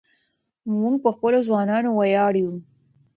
موږ په خپلو ځوانانو ویاړو.